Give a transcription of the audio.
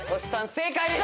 正解です。